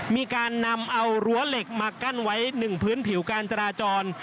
มีการนำเอารั้วเหล็กมากั้นไว้๑พื้นผิวการจราจร